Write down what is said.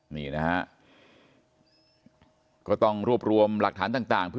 นี่นะฮะก็ต้องรวบรวมหลักฐานต่างเพื่อ